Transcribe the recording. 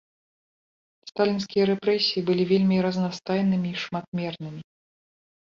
Сталінскія рэпрэсіі былі вельмі разнастайнымі і шматмернымі.